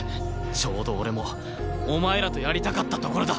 ちょうど俺もお前らとやりたかったところだ！